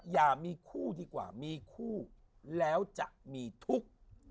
อย่ามีคู่ดีกว่ามีคู่แล้วจะมีทุกข์